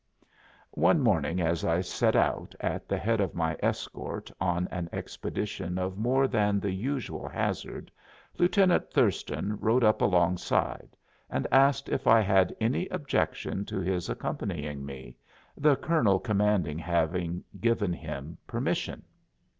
One morning as I set out at the head of my escort on an expedition of more than the usual hazard Lieutenant Thurston rode up alongside and asked if I had any objection to his accompanying me, the colonel commanding having given him permission.